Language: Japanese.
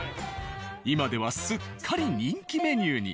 今ではすっかり人気メニューに。